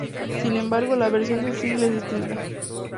Sin embargo, la versión del single es distinta.